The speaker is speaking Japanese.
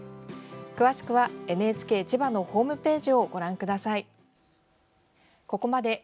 詳しくはＮＨＫ千葉のホームページをご覧ください。